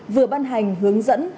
vừa ban hành hướng dẫn